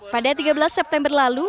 pada tiga belas september lalu